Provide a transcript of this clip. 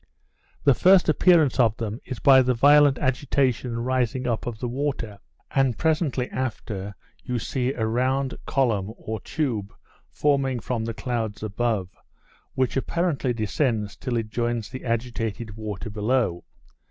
The first appearance of them is by the violent agitation and rising up of the water; and, presently after, you see a round column or tube forming from the clouds above, which apparently descends till it joins the agitated water below.